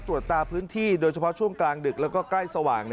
ตรวจตาพื้นที่โดยเฉพาะช่วงกลางดึกแล้วก็ใกล้สว่าง